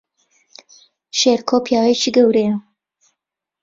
شێرکۆ پیاوێکی گەورەیە